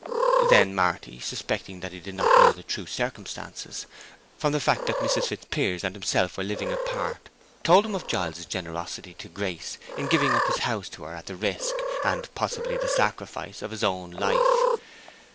Then Marty, suspecting that he did not know the true circumstances, from the fact that Mrs. Fitzpiers and himself were living apart, told him of Giles's generosity to Grace in giving up his house to her at the risk, and possibly the sacrifice, of his own life.